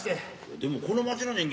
でもこの町の人間